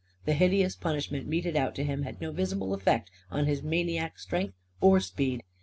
The hideous punishment meted out to him had no visible effect on his maniac strength or speed.